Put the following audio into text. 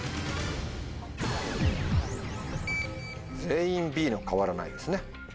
全員Ｂの「変わらない」ですね。